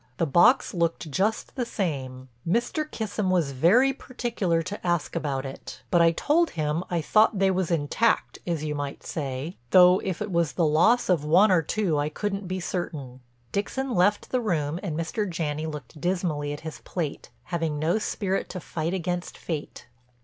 The box looked just the same. Mr. Kissam was very particular to ask about it, but I told him I thought they was intact, as you might say. Though if it was the loss of one or two I couldn't be certain." Dixon left the room and Mr. Janney looked dismally at his plate, having no spirit to fight against fate.